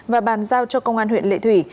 và bàn giao cho công an huyện lệ thủy